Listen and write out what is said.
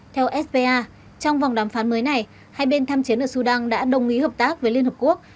theo spa trong vòng đàm phán mới này hai bên tham chiến ở sudan đã đồng ý hợp tác với liên hợp quốc